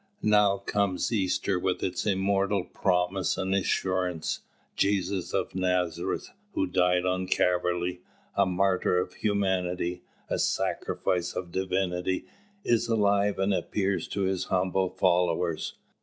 Now comes Easter with its immortal promise and assurance, Jesus of Nazareth, who died on Calvary, a martyr of humanity, a sacrifice of Divinity, is alive and appears to His humble followers.